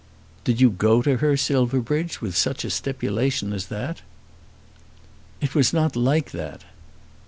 "Did you go to her, Silverbridge, with such a stipulation as that?" "It was not like that."